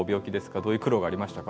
どういう苦労がありましたか？